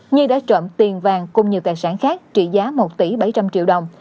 nhi đã trộm tiền vàng cùng nhiều tài sản khác trị giá một tỷ bảy trăm linh triệu đồng